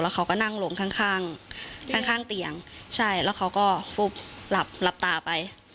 แล้วเขาก็นั่งลงข้างเตียงใช่แล้วเขาก็ฟุบหลับตาไป